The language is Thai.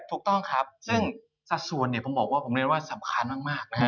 ถูกต้องครับซึ่งสัดส่วนผมเรียกว่าสำคัญมากนะครับ